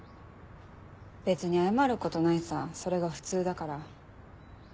別に謝ることないさそれが普通だから。